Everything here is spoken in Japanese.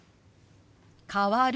「変わる」。